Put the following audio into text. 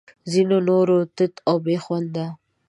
ځینو نورو تت او بې خونده